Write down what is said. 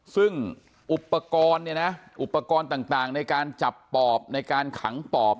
ซึ่งอุปกรณ์เนี่ยนะอุปกรณ์ต่างในการจับปอบในการขังปอบ